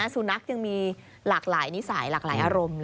สุนัขยังมีหลากหลายนิสัยหลากหลายอารมณ์